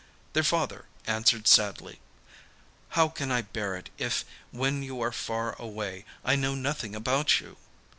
Their father answered sadly, 'How can I bear it if, when you are far away, I know nothing about you?